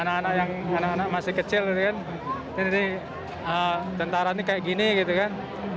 anak anak yang masih kecil ini tentara ini kayak gini gitu kan